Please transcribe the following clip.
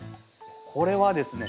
これはですね